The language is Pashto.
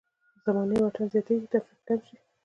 زماني واټن زیاتېږي توفیق کم شي.